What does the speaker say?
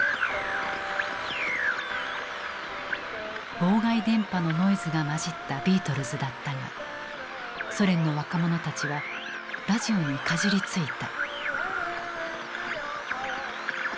妨害電波のノイズが混じったビートルズだったがソ連の若者たちはラジオにかじりついた。